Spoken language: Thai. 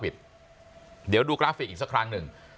เดี๋ยวดูกราฟิกอีกสักครั้งหนึ่ง